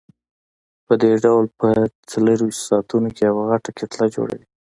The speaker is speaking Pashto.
پدې ډول په څلورویشت ساعتونو کې یوه غټه کتله جوړوي.